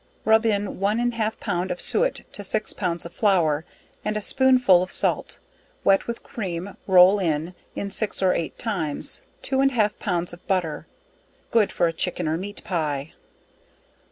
Rub in one and half pound of suet to six pounds of flour, and a spoon full of salt, wet with cream roll in, in six or eight times, two and half pounds of butter good for a chicken or meat pie.